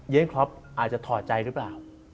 ย้นซ์คล็อปอาจจะถอดใจรึเปล่า